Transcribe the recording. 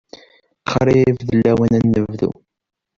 Qrib d lawan ad nebdu.